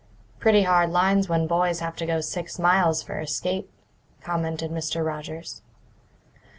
"Pretty hard lines when boys have to go six miles for a skate," commented Mr. Rogers.